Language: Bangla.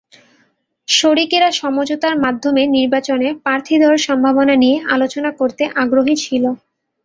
শরিকেরা সমঝোতার মাধ্যমে নির্বাচনে প্রার্থী দেওয়ার সম্ভাবনা নিয়ে আলোচনা করতে আগ্রহী ছিল।